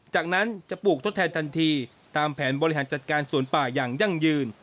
จากนั้นจะปลูกทดแทนทันทีตามแผนบริหารจัดการสวนป่าอย่างยั่งยืน